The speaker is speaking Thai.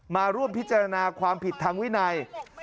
มาร่วมพิจารณาความผิดทางวินัย